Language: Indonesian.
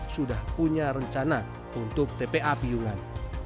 sudah punya rencana untuk tpa piyungan